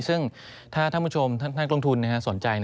ซึ่งถ้าท่านผู้ชมท่านลงทุนสนใจ